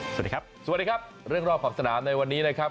สวัสดีครับสวัสดีครับเรื่องรอบขอบสนามในวันนี้นะครับ